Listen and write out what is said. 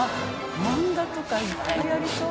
マンガとかいっぱいありそう。